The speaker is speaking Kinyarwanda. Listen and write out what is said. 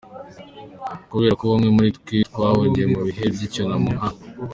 kubera ko bamwe muri twe bari bahugiye mu bihe byicyunamo nka.